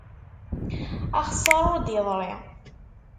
Axessar ur d-yeḍri.